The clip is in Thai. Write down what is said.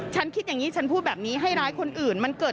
ฉันคิดยังงี้ฉันพูดแบบนี้ให้ร้ายคนอื่น